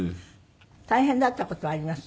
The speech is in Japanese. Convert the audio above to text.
大変だった事はあります？